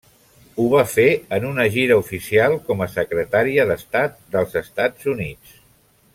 Ho va fer en una gira oficial com a Secretària d'Estat dels Estats Units.